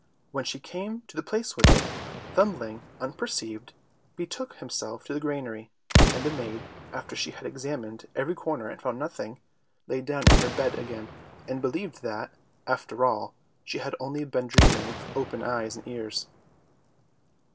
When she came to the place with it, Thumbling, unperceived, betook himself to the granary, and the maid, after she had examined every corner and found nothing, lay down in her bed again, and believed that, after all, she had only been dreaming with open eyes and ears.